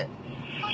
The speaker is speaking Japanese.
はい。